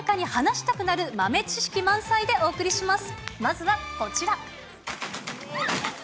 まずはこちら。